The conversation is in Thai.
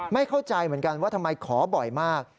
ไม่เข้าใจเหมือนกันว่าทำไมขอบ่อยมาก